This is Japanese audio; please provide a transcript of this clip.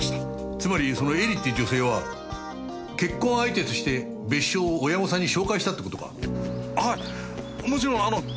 つまりその絵里って女性は結婚相手として別所を親御さんに紹介したって事か？